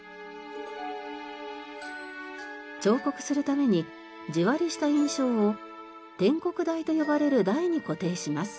彫刻するために字割りした印章を篆刻台と呼ばれる台に固定します。